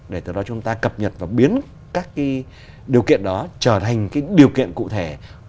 để từ đó chúng ta cập nhật và biến các điều kiện đó trở thành điều kiện cụ thể